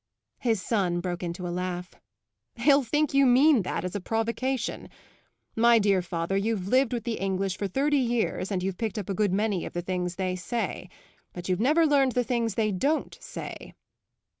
His son broke into a laugh. "He'll think you mean that as a provocation! My dear father, you've lived with the English for thirty years, and you've picked up a good many of the things they say. But you've never learned the things they don't say!"